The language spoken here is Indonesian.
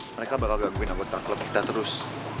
mereka bakal gangguin anggota klub kita terus